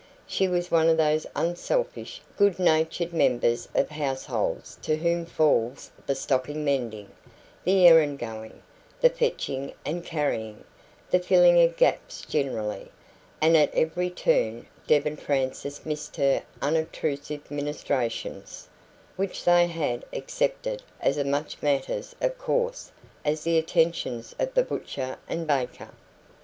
She was one of those unselfish, good natured members of households to whom falls the stocking mending, the errand going, the fetching and carrying, the filling of gaps generally; and at every turn Deb and Frances missed her unobtrusive ministrations, which they had accepted as as much matters of course as the attentions of the butcher and baker.